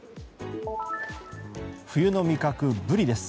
冬の味覚、ブリです。